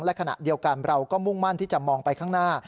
และขณะเดียวกันเราก็มุ่งมั่นที่จะมองไปข้างหน้า